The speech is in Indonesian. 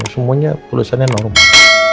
semuanya tulisannya normal